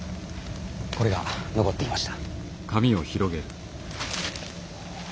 これが残っていました。